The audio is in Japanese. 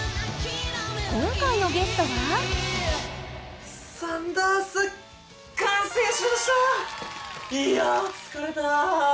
今回のゲストはいやあ疲れた。